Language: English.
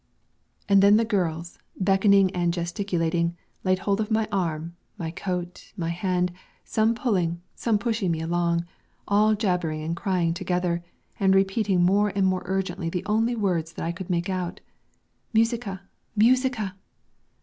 And then the girls, beckoning and gesticulating, laid hold of my arm, my coat, my hand, some pulling, some pushing me along, all jabbering and crying together, and repeating more and more urgently the only words that I could make out "Musica! Musica!"